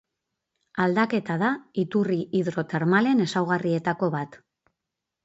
Aldaketa da iturri hidrotermalen ezaugarrietako bat.